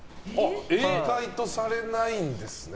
意外とされないんですね。